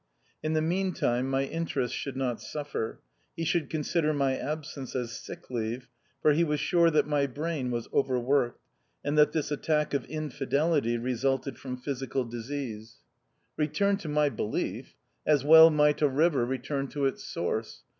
In the meantime my interests should not suffer ; he should consider my absence as sick leave ; for he was sure that my brain was overworked, and that this attack of infidelity resulted from physical disease. TEE OUTCAST. 131 Eeturn to my belief I As well might a river return to its source.